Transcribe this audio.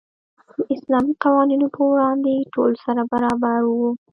د اسلامي قوانینو په وړاندې ټول سره برابر وو.